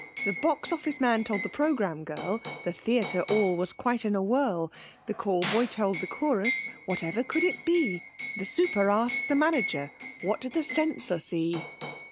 The Box Office man told the Programme girl, The Theatre all was in quite a whirl. The call boy told the Chorus. (Whatever could it be?) The super asked the Manager, What did the Censor see?'